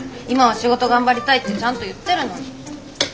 「今は仕事頑張りたい」ってちゃんと言ってるのに。